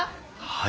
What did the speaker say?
はい。